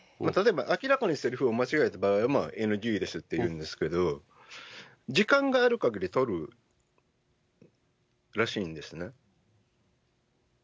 例えば、明らかにせりふを間違えた場合、ＮＧですって言うんですけど、時間があるかぎり撮るらしいんですね。